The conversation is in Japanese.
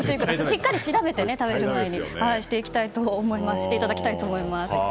しっかり食べる前に調べていただきたいと思います。